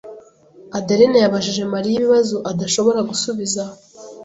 Adeline yabajije Mariya ibibazo adashobora gusubiza.